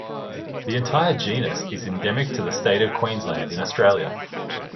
The entire genus is endemic to the State of Queensland in Australia.